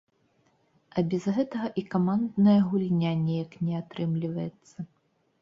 А без гэтага і камандная гульня неяк не атрымліваецца.